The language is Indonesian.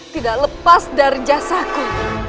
tidak lepas dari jasaku